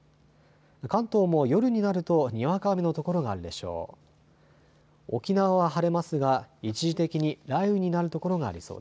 関東も夜になるとにわか雨の所があるでしょう。